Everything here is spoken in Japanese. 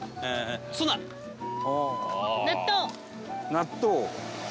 納豆。